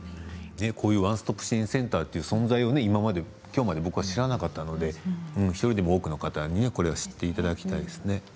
こういうワンストップ支援センターという存在をきょうまで僕は知らなかったので１人でも多くの方に、これを知っていただきたいですね。